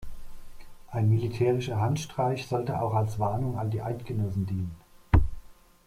Ein militärischer Handstreich sollte auch als Warnung an die Eidgenossen dienen.